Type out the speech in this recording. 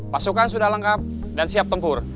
pasukan sudah lengkap dan siap tempur